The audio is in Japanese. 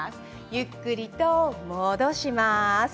ゆっくりと戻します。